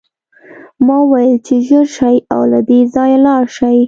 ما وویل چې ژر شئ او له دې ځایه لاړ شئ